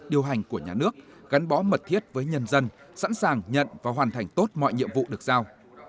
điều hành của nhà nước gắn bó mật thiết với nhân dân sẵn sàng nhận và hoàn thành tốt mọi nhiệm vụ được giao